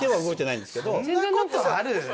そんなことある？